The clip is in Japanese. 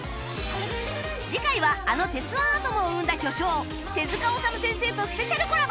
次回はあの『鉄腕アトム』を生んだ巨匠手治虫先生とスペシャルコラボ